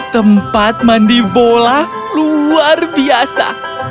tempat mandi bola luar biasa